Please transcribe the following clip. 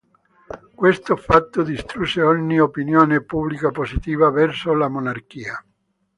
Questo fatto distrusse ogni opinione pubblica positiva verso la monarchia.